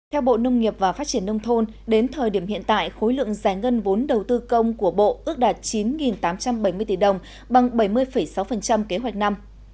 theo bộ nông nghiệp và phát triển nông thôn đến thời điểm hiện tại khối lượng giải ngân vốn đầu tư công của bộ ước đạt chín tám trăm bảy mươi tỷ đồng bằng bảy mươi sáu kế hoạch năm